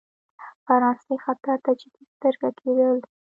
فرانسې خطر ته جدي سترګه کېدل.